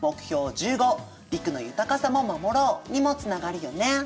１５「陸の豊かさも守ろう」にもつながるよね。